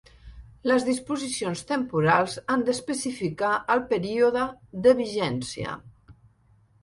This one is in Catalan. Les disposicions temporals han d'especificar el període de vigència.